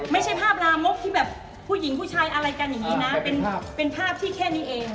ไม่ใช่ภาพลามกที่แบบผู้หญิงผู้ชายอะไรกันอย่างนี้นะเป็นภาพที่แค่นี้เอง